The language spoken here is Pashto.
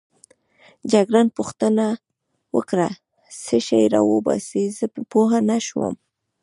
جګړن پوښتنه وکړه: څه شی راوباسې؟ زه پوه نه شوم.